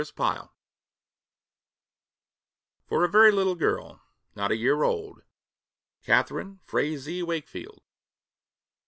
Sunshine For a Very Little Girl, Not a Year Old. Catharine Frazee Wakefield.